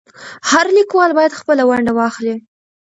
هر لیکوال باید خپله ونډه واخلي.